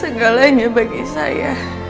mereka pratis bersama saya